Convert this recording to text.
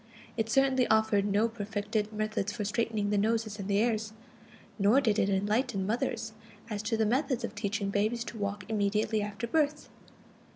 It certainly offered no perfected methods for straightening the noses and the ears, nor did it enlighten mothers as to methods of teaching babies to walk immediately after birth.